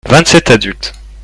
vingt sept adultes.